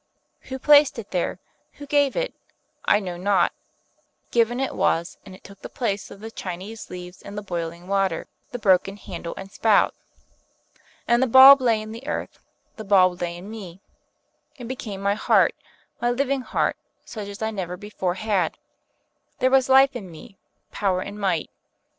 Who placed it there, who gave it, I know not; given it was, and it took the place of the Chinese leaves and the boiling water, the broken handle and spout. And the bulb lay in the earth, the bulb lay in me, it became my heart, my living heart, such as I never before had. There was life in me, power and might.